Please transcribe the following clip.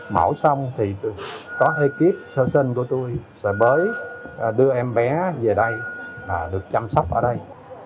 mổ xong thì có ekip sơ sinh của tôi sẽ bới đưa em bé về đây và được chăm sóc ở đây